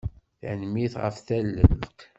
Tanemmirt ɣef tallelt.